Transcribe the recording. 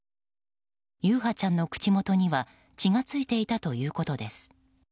優陽ちゃんの口元には血が付いていたということです。